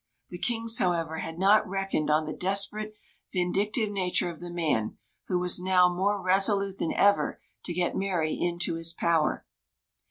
The Kings, however, had not reckoned on the desperate, vindictive nature of the man, who was now more resolute than ever to get Mary into his power.